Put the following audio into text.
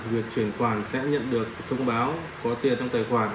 việc chuyển khoản sẽ nhận được thông báo có tiền trong tài khoản